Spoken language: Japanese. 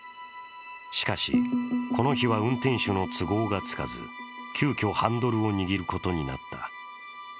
しかし、この日は運転手の都合がつかず急きょ、ハンドルを握ることになった。